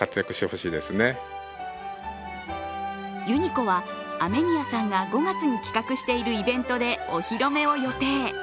ユニ子は雨宮さんが５月に企画しているイベントでお披露目を予定。